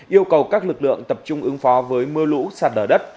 yêu cầu các lực lượng tập trung ứng phó với mưa lũ sạt lở đất